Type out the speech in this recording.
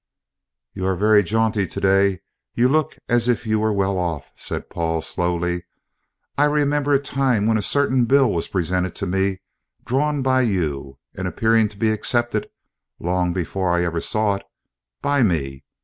"You are very jaunty to day you look as if you were well off," said Paul slowly. "I remember a time when a certain bill was presented to me, drawn by you, and appearing to be accepted (long before I ever saw it) by me.